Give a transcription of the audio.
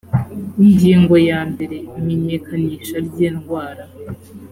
ingingo ya mbere imenyekanisha ry indwara